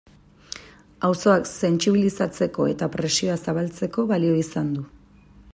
Auzoak sentsibilizatzeko eta presioa zabaltzeko balio izan du.